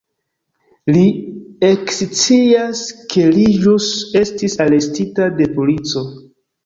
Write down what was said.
Li ekscias, ke li ĵus estis arestita de polico.